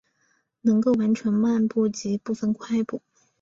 能够完成漫步及部份快步。